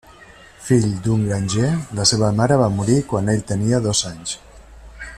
Fill d'un granger, la seva mare va morir quan ell tenia dos anys.